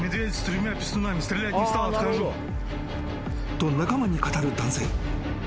［と仲間に語る男性］